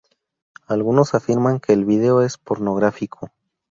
Algunos afirman que el video es pornográfico.